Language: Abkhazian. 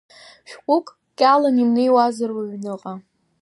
Шәҟәык ҟьалан имнеиуазар уҩныҟа…